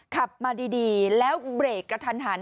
ขับมาดีแล้วเบรกกระทันหัน